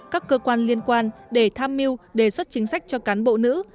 các cơ quan liên quan để tham mưu đề xuất chính sách cho cán bộ nữ